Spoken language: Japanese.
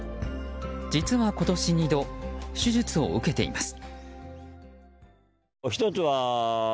実は今年２度手術を受けています。